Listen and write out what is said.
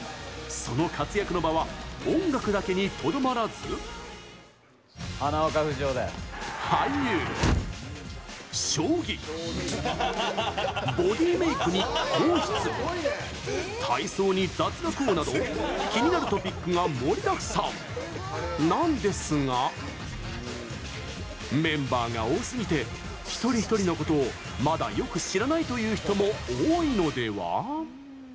その活躍の場は音楽だけにとどまらず俳優、将棋ボディーメイクに硬筆体操に雑学王など気になるトピックが盛りだくさんなんですがメンバーが多すぎて一人一人のことをまだよく知らないという人も多いのでは？